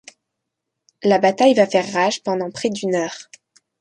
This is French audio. La bataille va faire rage pendant près d’une heure.